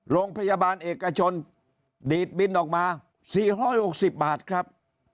โรงพยาบาลเอกชนดีดบินออกมา๔๖๐บาทครับ